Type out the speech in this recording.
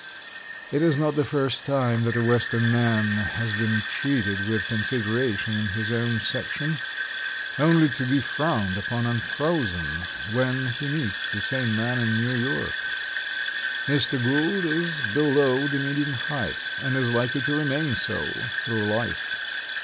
It is not the first time that a Western man has been treated with consideration in his own section, only to be frowned upon and frozen when he meets the same man in New York. Mr. Gould is below the medium height, and is likely to remain so through life.